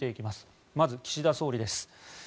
まず、岸田総理です。